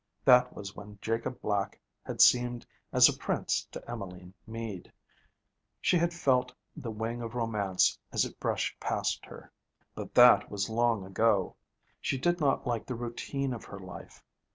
That was when Jacob Black had seemed as a prince to Emmeline Mead. She had felt the wing of romance as it brushed past her. But that was long ago. She did not like the routine of her life.